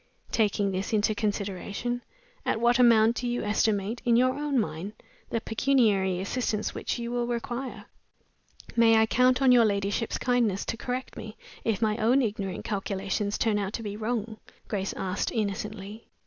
Taking this into consideration, at what amount do you estimate, in your own mind, the pecuniary assistance which you will require?" "May I count on your ladyship's, kindness to correct me if my own ignorant calculations turn out to be wrong?" Grace asked, innocently.